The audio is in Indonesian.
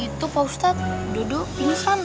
itu pak ustadz duduk pingsan